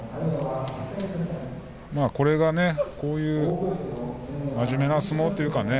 これがこういう真面目な相撲というかね